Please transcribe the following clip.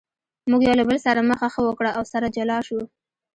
موږ یو له بل سره مخه ښه وکړه او سره جلا شوو.